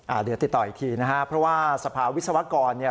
เดี๋ยวติดต่ออีกทีนะฮะเพราะว่าสภาวิศวกรเนี่ย